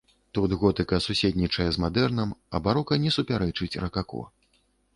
Тут готыка суседнічае з мадэрнам, а барока не супярэчыць ракако.